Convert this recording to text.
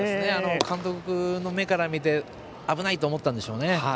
監督の目から見て危ないと思ったんでしょうね。